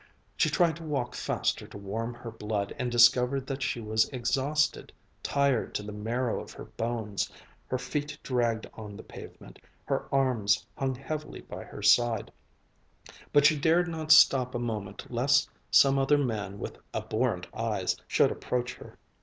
She tried to walk faster to warm her blood, and discovered that she was exhausted, tired to the marrow of her bones. Her feet dragged on the pavement, her arms hung heavily by her side, but she dared not stop a moment lest some other man with abhorrent eyes should approach her.